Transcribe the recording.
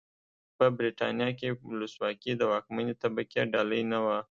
په برېټانیا کې ولسواکي د واکمنې طبقې ډالۍ نه وه.